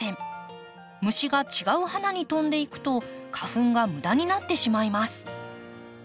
虫が違う花に飛んでいくと花粉が無駄になってしまいます。